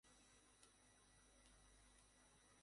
শহরে সাংস্কৃতিক অনুষ্ঠান হচ্ছে।